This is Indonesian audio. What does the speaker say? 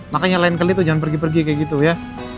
makanya lain kali itu jangan pergi pergi kayak gitu ya